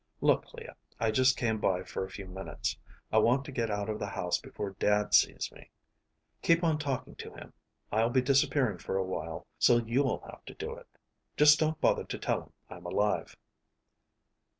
Look, Clea, I just came by for a few minutes. I want to get out of the house before Dad sees me. Keep on talking to him. I'll be disappearing for a while, so you'll have to do it. Just don't bother to tell him I'm alive."